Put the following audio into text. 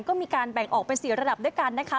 ก็มีการแบ่งออกเป็น๔ระดับด้วยกันนะคะ